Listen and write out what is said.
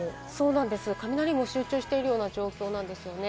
雷も集中しているような状況なんですよね。